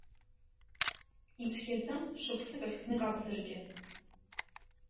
Ицәгьаӡам, шықәсык ахь знык акәзаргьы.